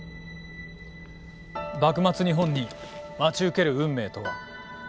幕末日本に待ち受ける運命とは。